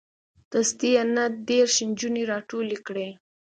دستې یې نه دېرش نجونې راټولې کړې.